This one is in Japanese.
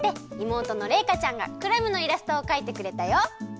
妹のれいかちゃんがクラムのイラストをかいてくれたよ。